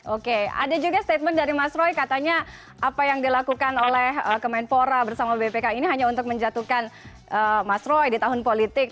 oke ada juga statement dari mas roy katanya apa yang dilakukan oleh kemenpora bersama bpk ini hanya untuk menjatuhkan mas roy di tahun politik